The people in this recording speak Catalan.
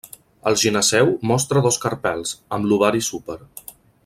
El gineceu mostra dos carpels, amb l'ovari súper.